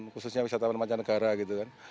khususnya wisatawan mancanegara gitu kan